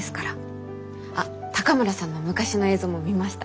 あっ高村さんの昔の映像も見ました。